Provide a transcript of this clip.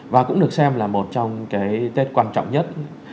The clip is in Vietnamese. và cũng được xem là một trong cái tết quan trọng nhất